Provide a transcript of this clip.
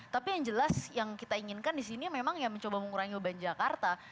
tapi yang jelas yang kita inginkan di sini memang ya mencoba mengurangi beban jakarta